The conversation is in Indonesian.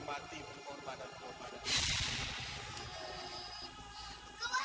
kalau raksasa keboiwa ada rasa saya baik